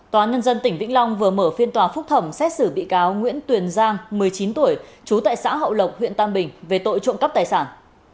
tòa nhân dân tỉnh vĩnh long vừa mở phiên tòa phúc thẩm xét xử bị cáo nguyễn tuyền giang một mươi chín tuổi trú tại xã hậu lộc huyện tam bình về tội trộm cắp tài sản